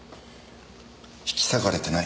引き裂かれてない。